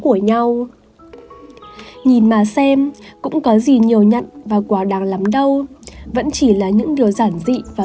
với nhau nhìn mà xem cũng có gì nhiều nhận và quá đáng lắm đâu vẫn chỉ là những điều giản dị và